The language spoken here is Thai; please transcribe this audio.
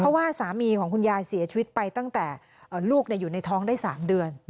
เพราะว่าสามีของคุณยายเสียชีวิตไปตั้งแต่ลูกอยู่ในท้องได้๓เดือน